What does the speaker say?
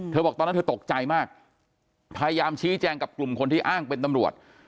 บอกตอนนั้นเธอตกใจมากพยายามชี้แจงกับกลุ่มคนที่อ้างเป็นตำรวจ